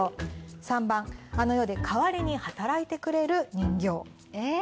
３番あの世で代わりに働いてくれる人形。